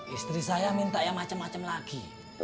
istri saya minta yang macem macem lagi